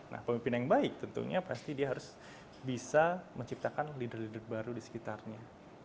nah pemimpin yang baik tentunya pasti dia harus bisa menciptakan leader leader baru di sekitarnya